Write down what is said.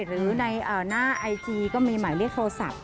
หรือในหน้าไอจีก็มีหมายเลขโทรศัพท์